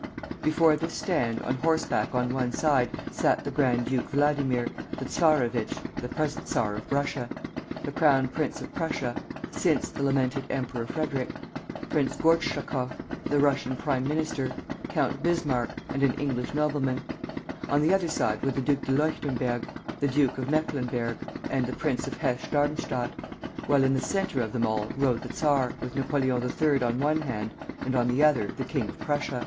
Before this stand, on horseback on one side, sat the Grand Duke Vladimir, the Czarevitch (the present Czar of Russia), the Crown Prince of Prussia (since the lamented Emperor Frederick), Prince Gortschakoff (the Russian prime minister), Count Bismarck, and an English nobleman; on the other side were the Duc de Leuchtenberg, the Duke of Mecklenburg, and the Prince of Hesse Darmstadt; while in the centre of them all rode the czar, with Napoleon III. on one hand, and on the other the king of prussia.